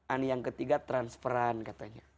ani yang ketiga transferan katanya